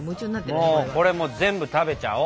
もうこれ全部食べちゃお！